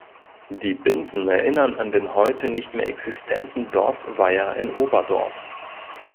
Die Binsen erinnern an den heute nicht mehr existenten Dorfweiher im Oberdorf.